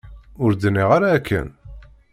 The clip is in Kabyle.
Ur d-nniɣ ara akken.